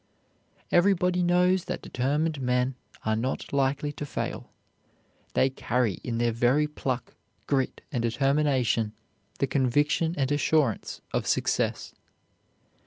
Everybody knows that determined men are not likely to fail. They carry in their very pluck, grit, and determination the conviction and assurance of success.